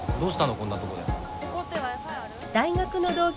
こんなとこで。